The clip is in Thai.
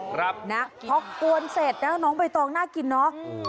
เพราะกวนเสร็จนะน้องไปตองน่ากินเนอะ